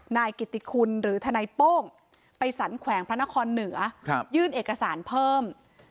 นายกิติคุณหรือทนายโป้งไปสรรแขวงพระนครเหนือยื่นเอกสารเพิ่ม